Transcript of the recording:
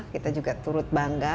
kita juga turut bangga